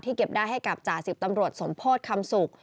เก็บได้ให้กับจ่าสิบตำรวจสมโพธิคำสุข